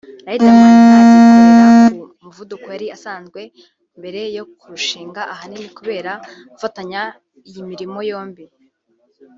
Riderman ntagikorera ku muvuduko yari asanzweho mbere yo kurushinga ahanini kubera gufatanya iyi mirimo yombi